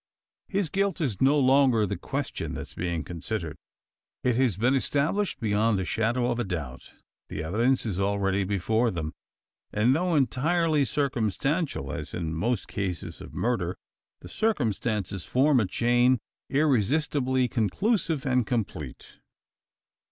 His guilt is no longer the question that is being considered. It has been established beyond the shadow of a doubt. The evidence is already before them; and though entirely circumstantial as in most cases of murder the circumstances form a chain irresistibly conclusive and complete.